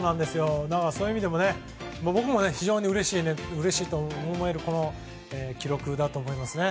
そういう意味でも僕も非常にうれしいと思えるこの記録だと思いますね。